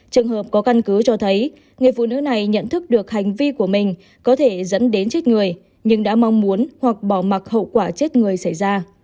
trường hợp có căn cứ cho thấy người phụ nữ này nhận thức được hành vi của mình có thể dẫn đến chết người nhưng đã mong muốn hoặc bỏ mặc hậu quả chết người xảy ra